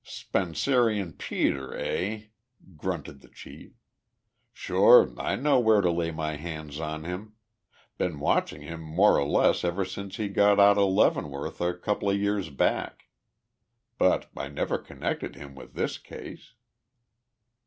"'Spencerian Peter,' eh?" grunted the chief. "Sure, I know where to lay my hands on him been watching him more or less ever since he got out of Leavenworth a couple of years back. But I never connected him with this case."